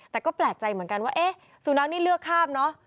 แต่ก็แปลกใจเหมือนกันว่าเอ๊ะสุนัขนี่เลือกข้ามเนอะ